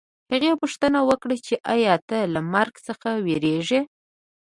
هغې پوښتنه وکړه چې ایا ته له مرګ څخه وېرېږې